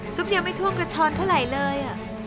ยังไม่ท่วมกระชอนเท่าไหร่เลย